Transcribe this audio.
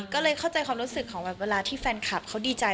ก็เลยเข้าใจความรู้สึกของแบบเวลาที่แฟนคลับเขาดีใจ